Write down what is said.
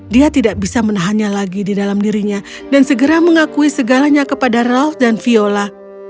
dia tidak bisa menahannya lagi di dalam dirinya dan segera mengakui segalanya kepada ralf dan viola